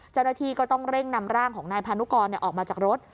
เจ้าหน้าที่ก็ต้องเร่งนำร่างของนายพานุกรออกมาจากรถ